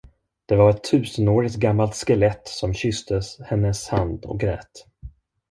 Det var ett tusenårigt gammalt skelett, som kysste hennes hand och grät.